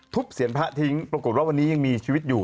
เสียรพระทิ้งปรากฏว่าวันนี้ยังมีชีวิตอยู่